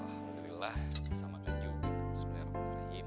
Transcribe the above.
alhamdulillah sama kan juga bismillahirrahmanirrahim